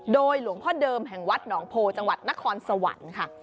โดยหลวงพ่อเดิมแห่งวัดหนองโพจังหวัดนครสวรรค์ค่ะ